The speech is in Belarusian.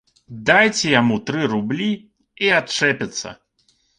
Дайце яму тры рублі, і адчэпіцца.